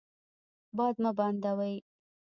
باد مه بندوئ.